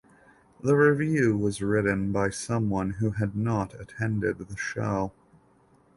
The review was written by someone who had not attended the show.